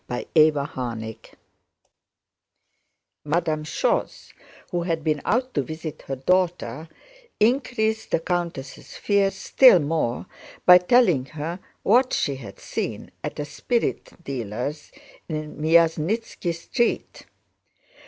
CHAPTER XIV Madame Schoss, who had been out to visit her daughter, increased the countess' fears still more by telling what she had seen at a spirit dealer's in Myasnítski Street.